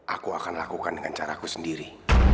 aku akan lakukan dengan caraku sendiri